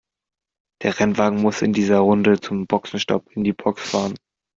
Der Rennwagen muss in dieser Runde zum Boxenstopp in die Box fahren.